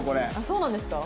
そうなんですか？